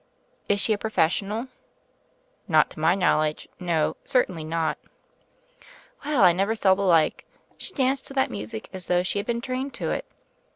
Is she a professional ?" "Not to my knowledge. No; certainly not." "Well, I never saw the like. She danced to that music as though she had been trained to it.